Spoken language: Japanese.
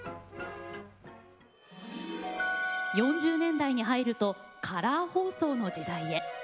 ４０年代に入るとカラー放送の時代へ。